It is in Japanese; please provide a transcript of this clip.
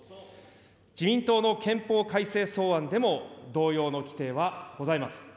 自民党の憲法改正草案でも同様の規定はございます。